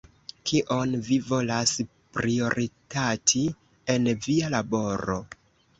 Kion vi volas prioritati en via laboro?